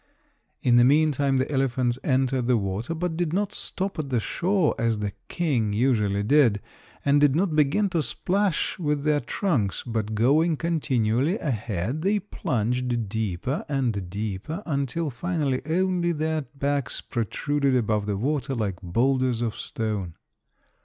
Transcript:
In the meantime the elephants entered the water but did not stop at the shore, as the King usually did, and did not begin to splash with their trunks, but going continually ahead they plunged deeper and deeper until finally only their backs protruded above the water like boulders of stone.